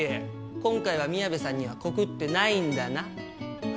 今回は宮部さんにはコクってないんだな！？